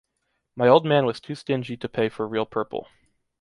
My old man was too stingy to pay for real purple.